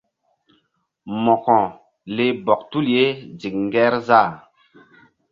Mo̧ko leh bɔk tul ye ziŋ Ŋgerzah.